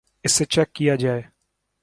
اسے چیک کیا جائے